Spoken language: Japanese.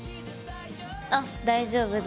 あっ大丈夫だ。